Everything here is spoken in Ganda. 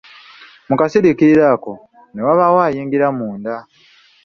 Mu kasiriikiriro ako, ne wabaawo ayingira munda.